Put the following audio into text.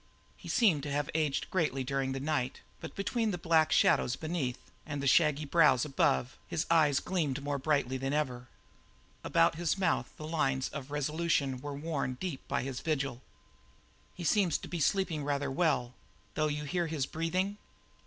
He seemed to have aged greatly during the night, but between the black shadows beneath and the shaggy brows above, his eyes gleamed more brightly than ever. About his mouth the lines of resolution were worn deep by his vigil. "He seems to be sleeping rather well though you hear his breathing?"